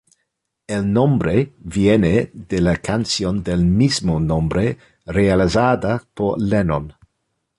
El nombre viene de la canción del mismo nombre, realizada por Lennon.